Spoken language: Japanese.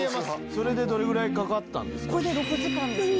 それでどれぐらいかかったんですか？